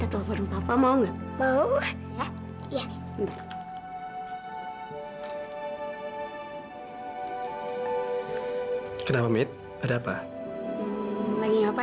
terus kamu bilang apa